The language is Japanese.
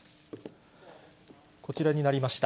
こちらになりました。